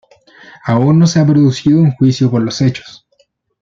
Aún no se ha producido un juicio por los hechos.